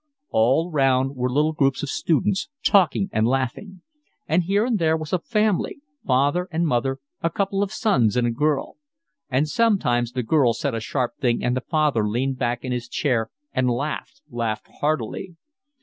All round were little groups of students, talking and laughing; and here and there was a family, father and mother, a couple of sons and a girl; and sometimes the girl said a sharp thing, and the father leaned back in his chair and laughed, laughed heartily.